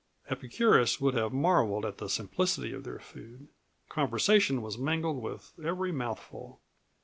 Epicurus would have marveled at the simplicity of their food. Conversation was mingled with every mouthful.